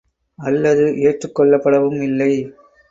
அல்லது ஏற்றுக் கொள்ளப்படவும் இல்லை!